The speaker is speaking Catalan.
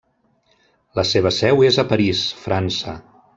La seva seu és a París, França.